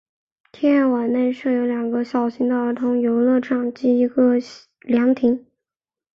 天爱苑内设有两个小型的儿童游乐场及一个凉亭。